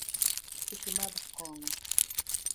Kik imadh kong'o.